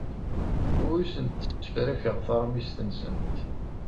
Ur asent-ssefrakeɣ taṛmist-nsent.